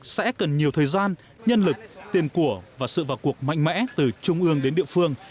sẽ cần nhiều thời gian nhân lực tiền của và sự vào cuộc mạnh mẽ từ trung ương đến địa phương